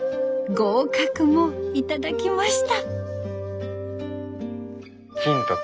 合格も頂きました。